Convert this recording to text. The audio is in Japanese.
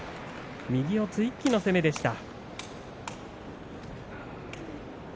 右四つ一気の攻めでした。